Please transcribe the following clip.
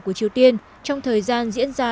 của triều tiên trong thời gian diễn ra